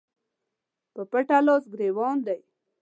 په پټه لاس ګرېوان دي